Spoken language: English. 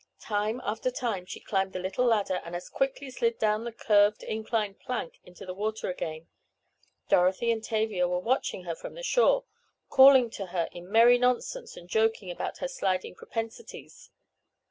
Time after time she climbed the little ladder and as quickly slid down the curved, inclined plank into the water again. Dorothy and Tavia were watching her from the shore, calling to her in merry nonsense and joking about her sliding propensities.